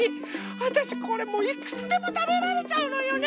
わたしこれもういくつでもたべられちゃうのよね。